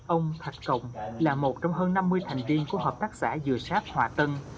ông thạch sồng là một trong hơn năm mươi thành viên của hợp tác xã dừa sáp hòa tân